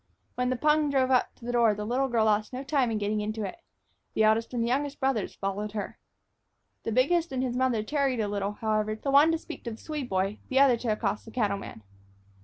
When the pung drove up to the door the little girl lost no time in getting into it. The eldest and the youngest brothers followed her. The biggest and his mother tarried a little, however, the one to speak to the Swede boy, the other to accost the cattleman.